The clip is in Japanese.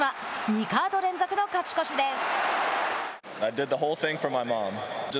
２カード連続の勝ち越しです。